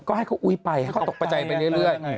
ก็ให้เขาอุ๊ยไปให้เขาตกประจัยไปเรื่อย